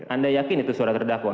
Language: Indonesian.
anda yakin itu surat terdakwa